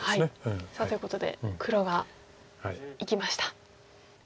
さあということで黒がいきました。